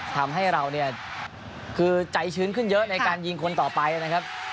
ทำให้เราเนี่ยคือใจชื้นขึ้นเยอะในการยิงคนต่อไปนะครับ